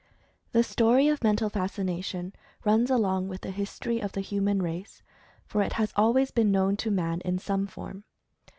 The story of Mental Fascination runs along with the history of the human race, for it has always been known to man in some form.